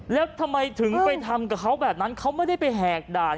แล้วทำไมถึงไปทำกับเขาแบบนั้นเขาไม่ได้ไปแหกด่าน